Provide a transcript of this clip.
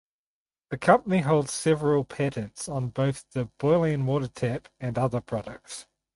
The company holds several patents on both the boiling water tap and other products.